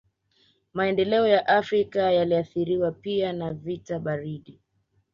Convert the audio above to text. Maendeleo ya Afrika yaliathiriwa pia na vita baridi